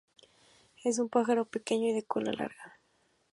Es un pájaro pequeño y de cola larga.